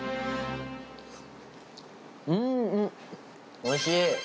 うーん、おいしい。